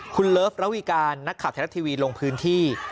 คุณเลิฟลาวีการนักขับแทนรัสทีวีลงพื้นที่